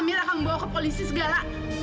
gak perlu amir akan membawa ke polisi segala